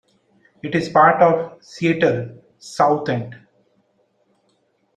It is part of Seattle's South End.